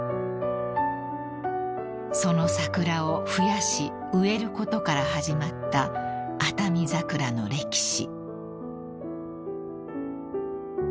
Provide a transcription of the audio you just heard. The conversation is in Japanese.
［その桜を増やし植えることから始まったアタミザクラの歴史］